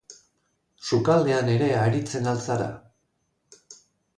Sukaldean ere aritzen al zara?